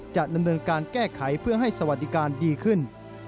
จะดำเนินการแก้ไขเพื่อให้สวัสดิการดีขึ้น